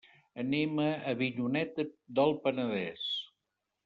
Anem a Avinyonet del Penedès.